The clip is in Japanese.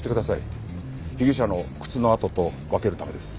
被疑者の靴の跡と分けるためです。